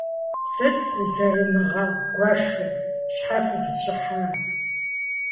- Сыт фхузэрымыгъэгуэшыр? Щхьэ фызэщыхьа?